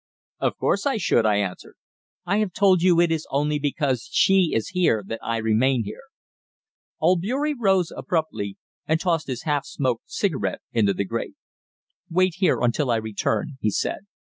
"Of course I should," I answered. "I have told you it is only because she is here that I remain here." Albeury rose abruptly, and tossed his half smoked cigarette into the grate. "Wait here until I return," he said.